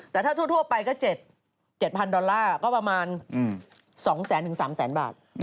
แต่ถ้าทั่วไปก็๗๐๐ดอลลาร์ก็ประมาณ๒แสนถึง๓แสนบาท